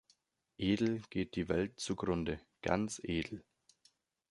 Edel geht die Welt zugrunde, ganz edel!